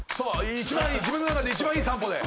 自分の中で一番いい三歩で。